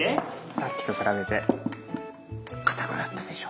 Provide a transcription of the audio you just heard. さっきとくらべてかたくなったでしょ。